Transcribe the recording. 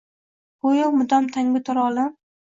Goʼyo mudom tangu tor olam